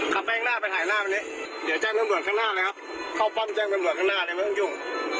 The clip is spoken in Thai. ขับแป้งหน้าไปถ่ายหน้ามานี้เดี๋ยวแจ้งกันหน่วงข้างหน้าเลยครับเข้าปั้มแจ้งกันหน่วงข้างหน้าเลยไม่ต้องยุ่ง